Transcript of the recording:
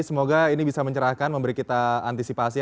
semoga ini bisa mencerahkan memberi kita antisipasi